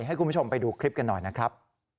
ให้คุณผู้ชมไปดูคลิปกันหน่อยนะครับ